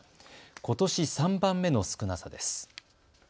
ことし３番目の少なさです。